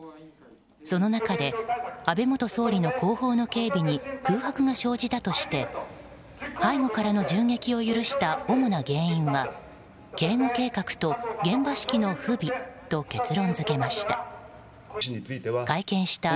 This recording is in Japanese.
その中で、安倍元総理の後方の警備に空白が生じたとして背後からの銃撃を許した主な原因は警護計画と現場指揮の不備と結論付けました。